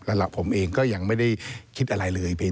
แล้วผมเองก็ยังไม่ได้คิดอะไรเลยเพียง